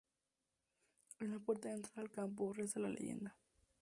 En la puerta de entrada al campo reza la leyenda.